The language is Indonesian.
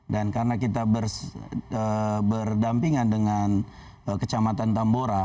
dan karena kita berdampingan dengan kecamatan tambora